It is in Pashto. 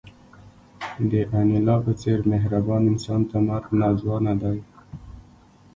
د انیلا په څېر مهربان انسان ته مرګ ناځوانه دی